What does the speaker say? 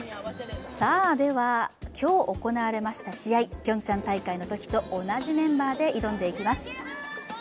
さあ、では今日行われました試合、ピョンチャン大会のときと同じメンバーで臨んでいます。